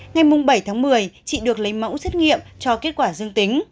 ngày bảy tháng một mươi chị được lấy mẫu xét nghiệm cho kết quả dương tính